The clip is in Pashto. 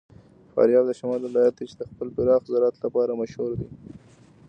فاریاب د شمال ولایت دی چې د خپل پراخ زراعت لپاره مشهور دی.